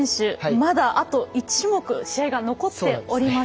まだあと１種目試合が残っております。